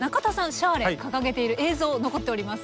シャーレ掲げている映像残っております。